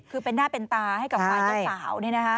คือเป็นหน้าเป็นตาให้กับฝ่ายเจ้าสาว